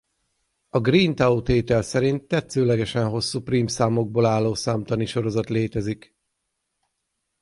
A Green–Tao-tétel szerint tetszőlegesen hosszú prímszámokból álló számtani sorozat létezik.